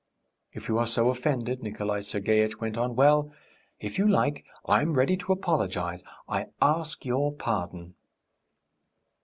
"If you are so offended," Nikolay Sergeitch went on, "well, if you like, I'm ready to apologise. I ask your pardon."